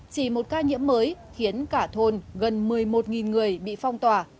chỉ một ca nhiễm mới khiến cả thôn gần một mươi một người bị phong tỏa